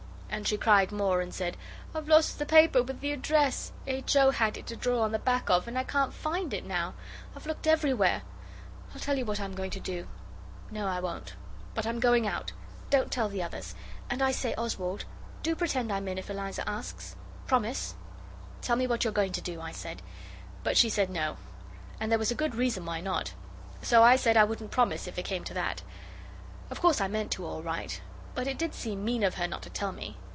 And she cried more and said, 'I've lost the paper with the address. H. O. had it to draw on the back of, and I can't find it now; I've looked everywhere. I'll tell you what I'm going to do. No I won't. But I'm going out. Don't tell the others. And I say, Oswald, do pretend I'm in if Eliza asks. Promise.' 'Tell me what you're going to do,' I said. But she said 'No'; and there was a good reason why not. So I said I wouldn't promise if it came to that. Of course I meant to all right. But it did seem mean of her not to tell me.